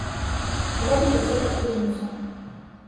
Бо робяць усё пад прымусам.